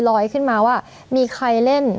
ตั้งคำถามรอยขึ้นมาว่ามีใครเล่น